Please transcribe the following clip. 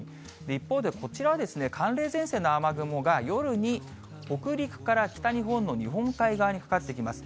一方でこちらは、寒冷前線の雨雲が、夜に北陸から北日本の日本海側にかかってきます。